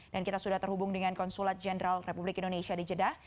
dan kita sudah terhubung dengan konsulat jenderal republik indonesia di jeddah